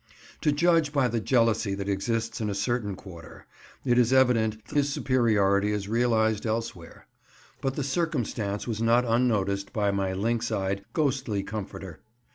To judge by the jealousy that exists in a certain quarter, it is evident this superiority is realized elsewhere. But the circumstance was not unnoticed by my lynx eyed, ghostly comforter.